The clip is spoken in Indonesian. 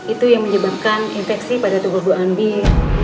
itu yang menyebabkan infeksi pada tubuh bu anbin